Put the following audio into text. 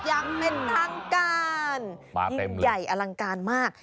อย่างเป็นทางการยิ่งใหญ่อลังการมาก